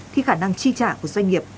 thì khả năng chi trả của doanh nghiệp